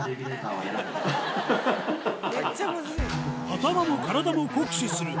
頭も体も酷使する